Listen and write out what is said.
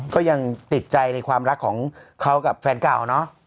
ก็ยังติดใจในความรักของเขากับแฟนเก่าเนาะ